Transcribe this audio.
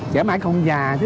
trẻ mãi không già